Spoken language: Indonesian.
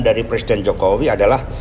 dari presiden jokowi adalah